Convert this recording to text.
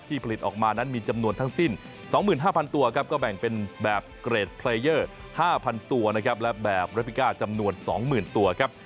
ผลิตออกมานั้นมีจำนวนทั้งสิ้น๒๕๐๐ตัวครับก็แบ่งเป็นแบบเกรดเพลเยอร์๕๐๐ตัวนะครับและแบบเรฟิก้าจำนวน๒๐๐๐ตัวครับ